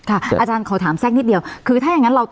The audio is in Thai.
อาจารย์ขอถามแทรกนิดเดียวคือถ้าอย่างนั้นเรา